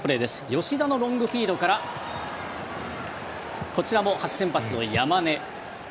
吉田のロングフィードからこちらも初先発の山根。